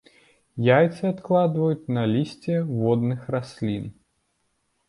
Яйцы адкладваюць на лісце водных раслін.